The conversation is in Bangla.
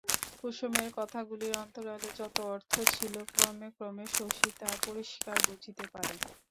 কুসুমের কথাগুলির অন্তরালে যত অর্থ ছিল ক্রমে ক্রমে শশী তা পরিষ্কার বুঝিতে পারে।